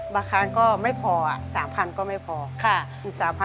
อาคารก็ไม่พอ๓๐๐ก็ไม่พอ